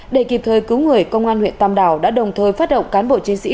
để kịp thời cứu người công an huyện tam đảo đã đồng thời phát động cán bộ chiến sĩ